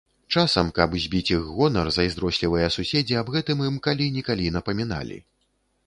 Часам, каб збіць іх гонар, зайздрослівыя суседзі аб гэтым ім калі-нікалі напаміналі.